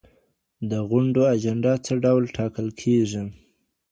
د غونډو اجنډا څه ډول ټاکل کیږي؟